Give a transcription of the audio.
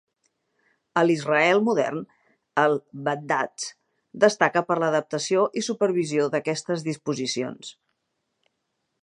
A l'Israel modern, el "badatz" destaca per l'adaptació i supervisió d'aquestes disposicions.